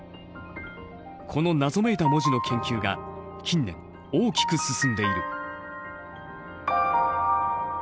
この謎めいた文字の研究が近年大きく進んでいる。